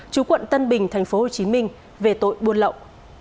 chú quận tân bình tp hcm về tội buôn lậu